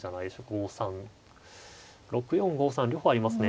５三６四５三両方ありますね。